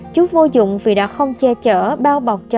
chú vô dụng vì đã không che chở